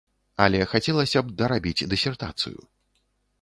Але хацелася б дарабіць дысертацыю.